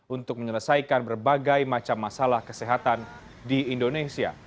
untuk menyelesaikan berbagai macam masalah kesehatan di indonesia